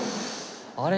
「あれ？